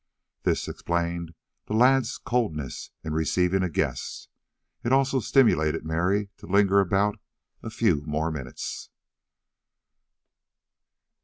This explained the lad's coldness in receiving a guest; it also stimulated Mary to linger about a few more minutes.